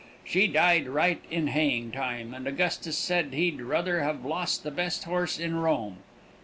She died right in haying time, and Augustus said he'd ruther of lost the best horse in Rome.